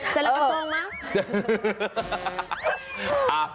เสร็จแล้วก็ตรงนะ